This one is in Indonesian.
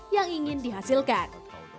yang ingin dihasilkan